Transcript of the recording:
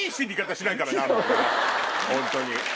ホントに。